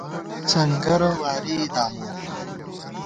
سنگَرہ وارِئےدامون